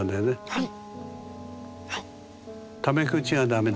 はい。